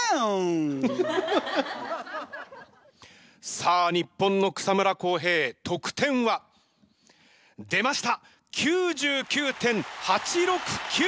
さあ日本の草村航平得点は？出ました。９９．８６９！